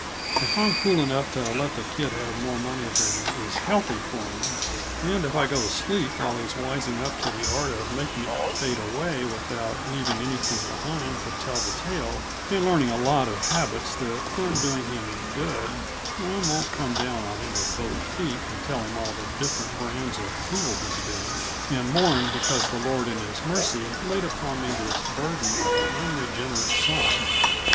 If I'm fool enough to let that kid have more money than is healthy for him, and if I go to sleep while he's wising up to the art of making it fade away without leaving anything behind to tell the tale, and learning a lot of habits that aren't doing him any good, I won't come down on him with both feet and tell him all the different brands of fool he's been, and mourn because the Lord in His mercy laid upon me this burden of an unregenerate son.